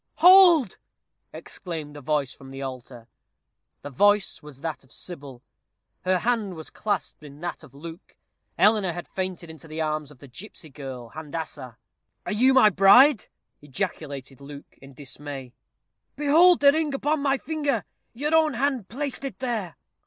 "Hold!" exclaimed a voice from the altar. The voice was that of Sybil. Her hand was clasped in that of Luke. Eleanor had fainted in the arms of the gipsy girl Handassah. "Are you my bride?" ejaculated Luke, in dismay. "Behold the ring upon my finger! Your own hand placed it there."